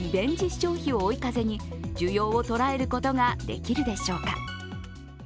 消費を追い風に需要を捉えることができるでしょうか。